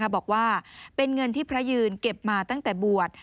บอกว่าเป็นเงินที่พระยืนเก็บมาตั้งแต่บวช